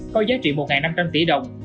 có giá trị một năm trăm linh tỷ đồng